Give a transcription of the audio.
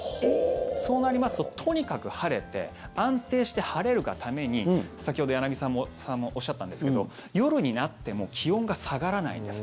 そうなりますと、とにかく晴れて安定して晴れるがために先ほど柳澤さんもおっしゃったんですけど夜になっても気温が下がらないんです。